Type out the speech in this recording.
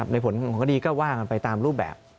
ในผลของคดีก็ว่ากันไปตามรูปแบบ